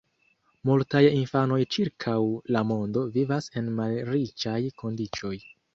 Multaj infanoj ĉirkaŭ la mondo vivas en malriĉaj kondiĉoj.